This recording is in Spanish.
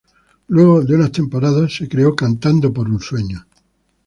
Luego de unas temporadas, se crea Cantando por un sueño.